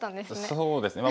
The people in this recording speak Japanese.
そうですね。